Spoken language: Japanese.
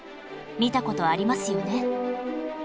見た事ありますよね？